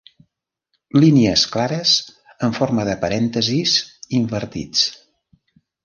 Línies clares en forma de parèntesis invertits.